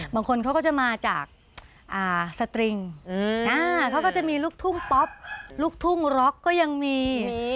บางคนเขาก็จะมาจากสตริงเขาก็จะมีลูกทุ่งป๊อปลูกทุ่งร็อกก็ยังมี